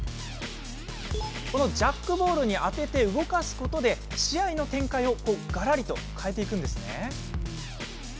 ジャックボールに当てて動かすことで試合の展開をがらりと変えていくんですね。